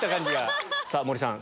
さぁ森さん。